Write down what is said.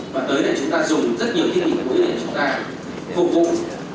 và tới đây chúng ta dùng rất nhiều thiết bị cuối để chúng ta phục vụ